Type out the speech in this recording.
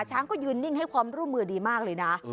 ช้างก็ยืนนิ่งให้ความร่วมมือดีมากเลยนะ